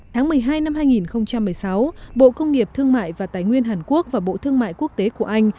tháng một mươi hai năm hai nghìn một mươi sáu bộ công nghiệp thương mại và tài nguyên hàn quốc và bộ thương mại quốc tế của anh